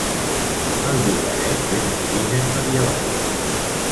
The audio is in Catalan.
El llogaret és d'origen medieval.